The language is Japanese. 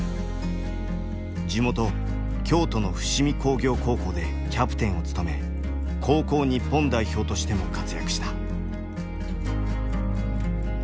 地元京都の伏見工業高校でキャプテンを務め高校日本代表としても活躍した。